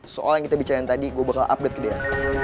soal yang kita bicarain tadi gue bakal update ke dia